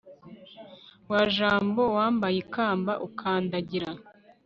wa jambo, wambaye ikamba ukandagira